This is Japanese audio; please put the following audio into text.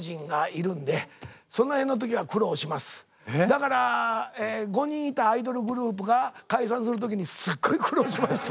だから５人いたアイドルグループが解散する時にすっごい苦労しました。